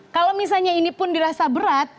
kalau misalnya ini pun dirasa berat